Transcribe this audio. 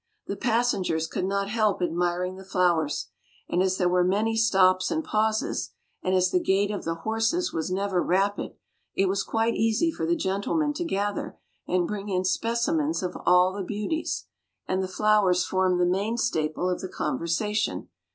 The passengers could not help admiring the flowers: and as there were many stops and pauses, and as the gait of the horses was never rapid, it was quite easy for the gentlemen to gather and bring in specimens of all the beauties; and the flowers formed the main staple of the conversation.